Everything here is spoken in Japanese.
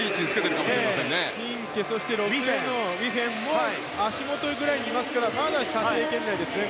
フィンケそしてウィフェンも足元くらいにいますからまだ射程圏内ですね。